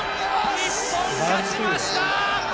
日本勝ちました！